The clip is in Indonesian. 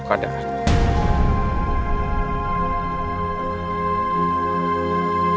maksudnya aku mau ng hobby